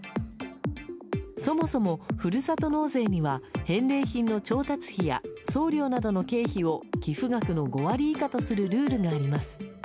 そもそも、ふるさと納税には返礼品の調達費や送料などの経費を寄付額の５割以下とするルールがあります。